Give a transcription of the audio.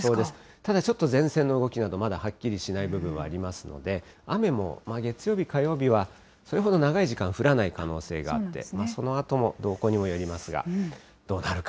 ただちょっと前線の動きなど、まだはっきりしない部分はありますので、雨も月曜日、火曜日は、それほど長い時間降らない可能性があって、そのあとの動向にもよりますが、どうなるか。